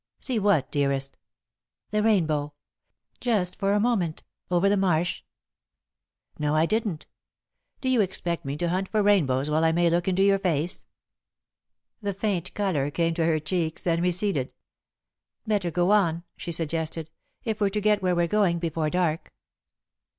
"See what, dearest?" "The rainbow just for a moment, over the marsh?" "No, I didn't. Do you expect me to hunt for rainbows while I may look into your face?" The faint colour came to her cheeks, then receded. "Better go on," she suggested, "if we're to get where we're going before dark."